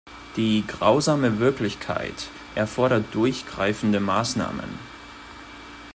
Die grausame Wirklichkeit erfordert durchgreifende Maßnahmen.